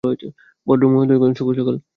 ভদ্রমহোদয়গণ, শুভ সকাল।